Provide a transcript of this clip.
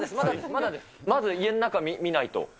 まず家の中、見ないと。